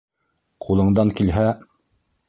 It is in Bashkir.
Ҡулыңдан килһә...